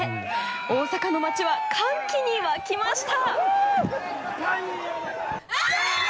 大阪の街は歓喜に沸きました。